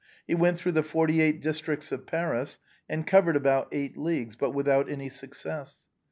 He went through the forty eight districts of Paris, and covered about eight leagues, but without any success.